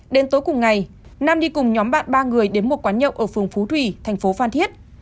đến tối cùng ngày nam đi cùng nhóm bạn ba người đến một quán nhậu ở phường phú thủy thành phố phan thiết